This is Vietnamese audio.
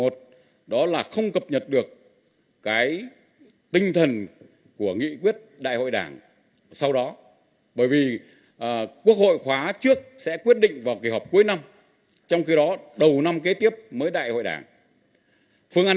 trong đó phương án một quy định quốc hội khóa mới xem xét quy định kế hoạch đầu tư công trung hạn